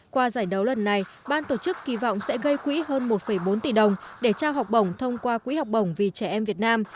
qua giải đấu lần này ban tổ chức kỳ vọng sẽ gây quỹ hơn một bốn tỷ đồng để trao học bổng thông qua quỹ học bổng vì trẻ em việt nam